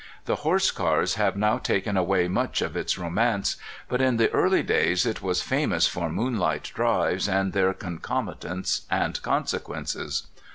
The horse cars have now tak en away much of its romance, but in the early days it was famous for moonlight drives and their concomitants and consequences.